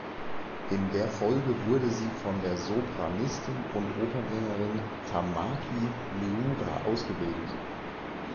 In der Folge wurde sie von der Sopranistin und Opernsängerin Tamaki Miura ausgebildet.